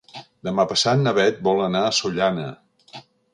Demà passat na Beth vol anar a Sollana.